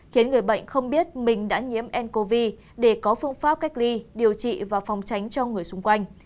khiến người bệnh không biết mình đã nhiễm ncov để có phương pháp cách ly điều trị và phòng tránh cho người xung quanh